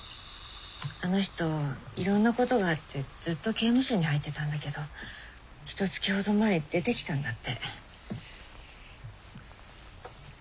あの人いろんなことがあってずっと刑務所に入ってたんだけどひとつきほど前出てきたんだって。